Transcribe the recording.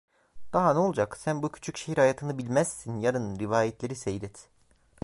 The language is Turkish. Daha ne olacak, sen bu küçük şehir hayatını bilmezsin; yarın rivayetleri seyret.